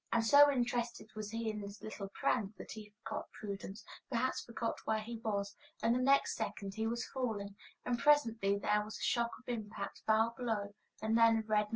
And so interested was he in this little prank that he forgot prudence, perhaps forgot where he was, and the next second he was falling, and presently there was the shock of impact far below, and then a red No.